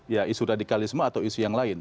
ya isu radikalisme atau isu yang lain